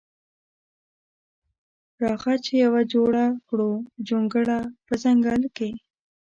راخه چی یوه جوړه کړو جونګړه په ځنګل کی.